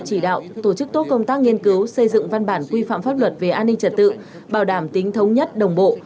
chỉ đạo tổ chức tốt công tác nghiên cứu xây dựng văn bản quy phạm pháp luật về an ninh trật tự bảo đảm tính thống nhất đồng bộ